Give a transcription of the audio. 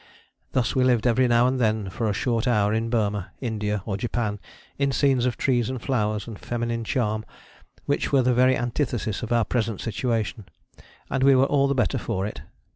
Thus we lived every now and then for a short hour in Burmah, India or Japan, in scenes of trees and flowers and feminine charm which were the very antithesis of our present situation, and we were all the better for it.